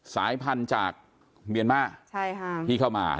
สายพันธุ์จากเมียนมาร์ที่เข้ามา